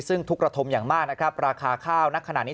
ซึ่งทุกระทมอย่างมากราคาข้าวนาขณะนี้